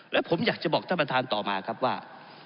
และผมอยากจะบอกท่านประธานต่อมาครับว่า